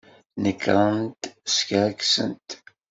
Nekṛent skerksent.